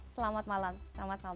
selamat malam selamat selamat